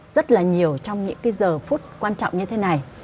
rất là nhiều trong những cái giờ phút quan trọng như thế này